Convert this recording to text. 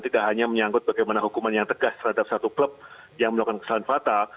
tidak hanya menyangkut bagaimana hukuman yang tegas terhadap satu klub yang melakukan kesalahan fatal